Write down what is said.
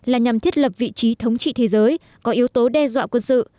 là nhằm thiết lập vị trí thống trị thế giới có yếu tố đe dọa quân sự